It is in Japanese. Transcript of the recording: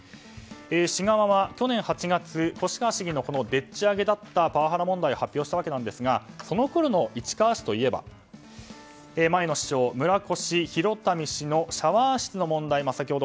市側は去年８月、越川市議のでっち上げだったパワハラ問題を発表したわけですがそのころの市川市といえば前の市長、村越祐民氏のシャワー室の問題